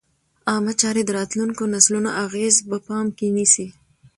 عامه چارې د راتلونکو نسلونو اغېز په پام کې نیسي.